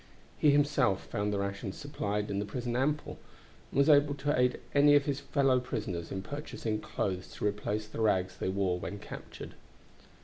He himself found the rations supplied in the prison ample, and was able to aid any of his fellow prisoners in purchasing clothes to replace the rags they wore when captured.